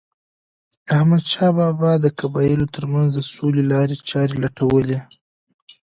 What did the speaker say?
احمد شاه بابا د قبایلو ترمنځ د سولې لارې چاري لټولي.